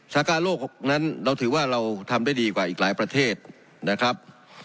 สากาโลกนั้นเราถือว่าเราทำได้ดีกว่าอีกหลายประเทศนะครับ